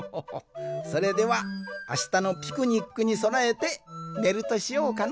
それではあしたのピクニックにそなえてねるとしようかの。